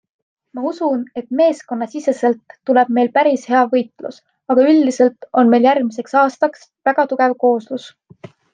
Ma usun, et meeskonnasiseselt tuleb meil päris hea võitlus, aga üldiselt on meil järgmiseks aastaks väga tugev kooslus.